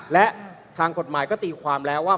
และทางกฎหมายก็ตีความแล้วว่า